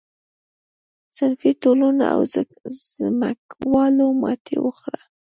صنفي ټولنو او ځمکوالو ماتې وخوړه.